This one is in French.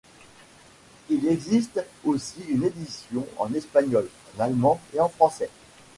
Il existe aussi une édition en espagnol, en allemand et en français.